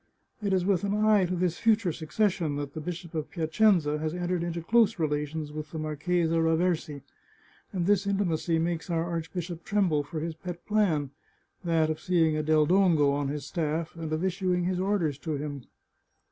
It is with an eye to this future succession that the Bishop of Piacenza has entered into close relations with the Marchesa Raversi, and this intimacy makes our arch bishop tremble for his pet plan — that of seeing a Del Dongo on his staflf, and of issuing his orders to him."